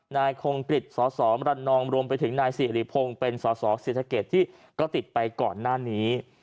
นายคงกฤษสสมรันนองรวมไปถึงนายสิริพงศ์เป็นสอสอเศรษฐกิจที่ก็ติดไปก่อนหน้านี้